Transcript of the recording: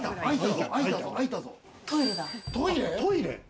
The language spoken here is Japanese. トイレだ。